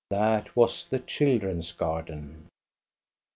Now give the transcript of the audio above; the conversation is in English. That was the children's garden.